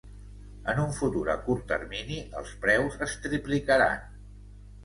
En un futur a curt termini els preus es triplicaran.